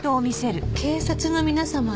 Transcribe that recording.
「警察の皆様へ」。